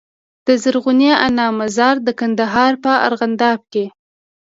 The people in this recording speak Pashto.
د زرغونې انا مزار د کندهار په ارغنداب کي